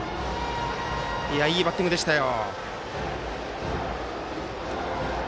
いいバッティングでしたよ。